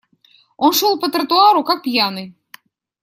Он шел по тротуару как пьяный.